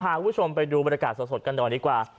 พาคุณผู้ชมไปดูบรรยากาศสดกันหน่อยดีกว่า